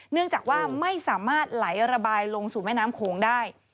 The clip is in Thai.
เนื่องจากว่าไม่สามารถไหลระบายลงสู่แม่น้ำโขงได้